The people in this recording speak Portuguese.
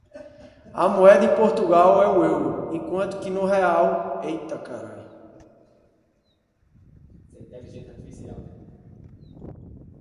A moeda em Portugal é o Euro, enquanto que no Brasil é o Real.